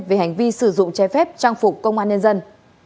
về hành vi sử dụng che phép trang phục công an nhân dân